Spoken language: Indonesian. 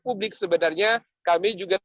publik sebenarnya kami juga